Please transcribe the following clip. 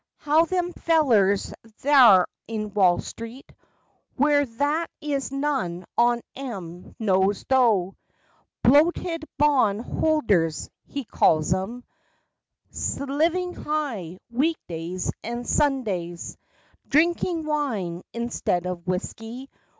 45 How them fellers thar in Wall street, Whar that is none on 'em knows tho'— 'Bloated bond holders,' he calls 'em — 'S livin' high, week days and Sundys, Drinkin' wine instud of whisky!